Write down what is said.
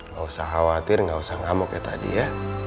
gak usah khawatir nggak usah ngamuk kayak tadi ya